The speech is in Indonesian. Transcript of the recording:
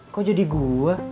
kok jadi gua